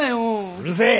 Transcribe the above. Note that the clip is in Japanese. うるせえ！